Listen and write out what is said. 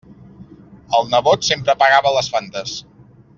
El nebot sempre pagava les Fantes.